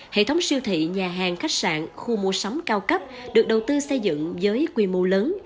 hệ thống siêu thị nhà hàng khách sạn khu mua sắm cao cấp được đầu tư xây dựng với quy mô lớn